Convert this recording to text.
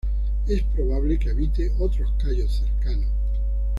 Es probable que habite otros cayos cercanos.